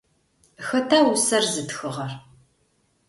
Хэта усэр зытхыгъэр?